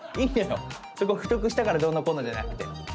そこ太くしたからどうのこうじゃなくて。